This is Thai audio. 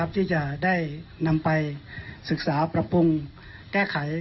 ที่จะได้นำไปศึกษาปรับปรุงแก้ไข